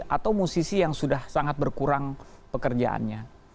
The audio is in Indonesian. atau musisi yang sudah sangat berkurang pekerjaannya